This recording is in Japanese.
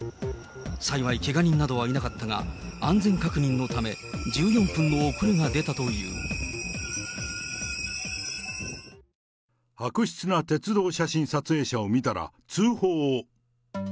幸いけが人などはいなかったが、安全確認のため、悪質な鉄道写真撮影者を見たら通報を！